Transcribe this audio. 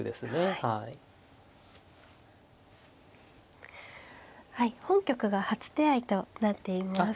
はい本局が初手合いとなっています。